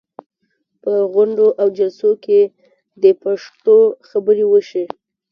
په غونډو او جلسو کې دې پښتو خبرې وشي.